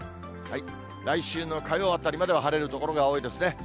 来週の火曜あたりまでは晴れる所が多いですね。